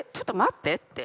って。